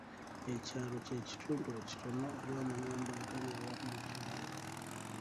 Ekyalo ky'ekitundu ekitono oba amayumba agali awamu mu kyalo.